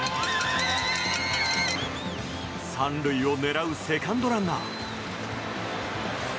３塁を狙うセカンドランナー。